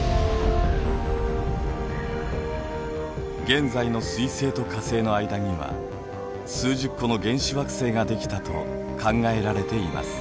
現在の水星と火星の間には数十個の原始惑星ができたと考えられています。